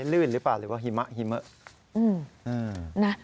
ลื่นหรือเปล่าหรือว่าหิมะหิมะ